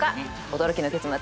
驚きの結末